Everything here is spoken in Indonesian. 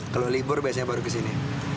kalau libur biasanya baru kesini